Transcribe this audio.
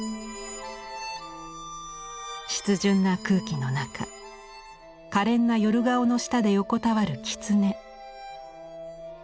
湿潤な空気の中可憐な夜顔の下で横たわる狐。